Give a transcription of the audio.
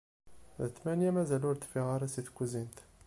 D tmanya mazal ur d-teffiɣ ara seg tkuzint.